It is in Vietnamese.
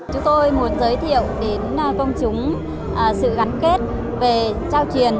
chúng tôi muốn giới thiệu đến công chúng sự gắn kết về trao truyền